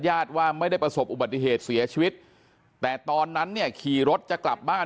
ว่าไม่ได้ประสบอุบัติเหตุเสียชีวิตแต่ตอนนั้นเนี่ยขี่รถจะกลับบ้าน